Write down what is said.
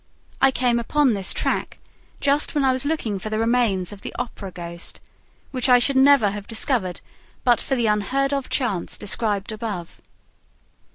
I came upon this track just when I was looking for the remains of the Opera ghost, which I should never have discovered but for the unheard of chance described above.